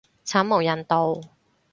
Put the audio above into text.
慘無人道